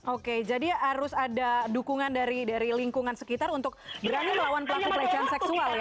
oke jadi harus ada dukungan dari lingkungan sekitar untuk berani melawan pelaku pelecehan seksual ya